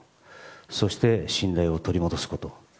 そして、信頼を取り戻すこと。